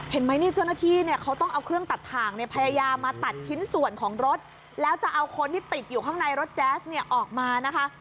เห็นไหมนี่เจ้าหน้าที่เนี่ยเขาต้องเอาเครื่องตัดถ่างเนี่ยพยายามมาตัดชิ้นส่วนของรถแล้วจะเอาคนที่ติดอยู่ข้างในรถแจ๊สเนี่ยออกมานะคะ